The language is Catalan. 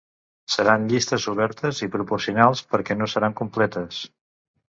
Seran llistes obertes i proporcionals, perquè no seran completes.